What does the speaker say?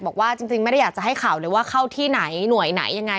บอกว่าจริงไม่ได้อยากจะให้ข่าวเลยว่าเข้าที่ไหนหน่วยไหนยังไง